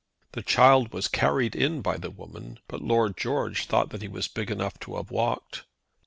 The child was carried in by the woman, but Lord George thought that he was big enough to have walked.